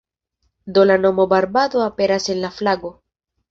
Do la nomo "Barbado" aperas en la flago.